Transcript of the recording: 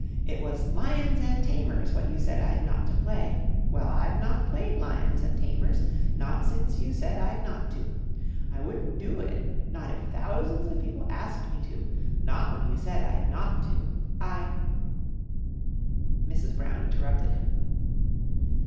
It was 'Lions an' Tamers' what you said I'd not to play. Well, I've not played 'Lions an' Tamers,' not since you said I'd not to. I wouldn't do it not if thousands of people asked me to, not when you said I'd not to. I " Mrs. Brown interrupted him.